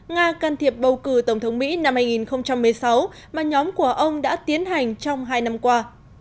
nga can thiệp bầu cử tổng thống mỹ năm hai nghìn một mươi sáu mà nhóm của ông đã tiến hành trong hai năm qua